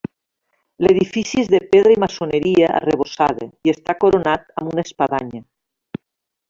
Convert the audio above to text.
L'edifici és de pedra i maçoneria arrebossada i està coronat amb una espadanya.